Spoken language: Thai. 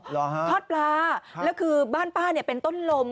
เหรอฮะทอดปลาแล้วคือบ้านป้าเนี่ยเป็นต้นลม